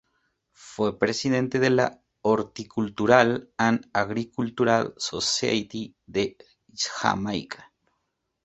Fue presidente de la "Horticultural and Agricultural Society" de Jamaica.